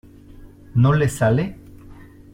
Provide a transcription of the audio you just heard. ¿ no le sale?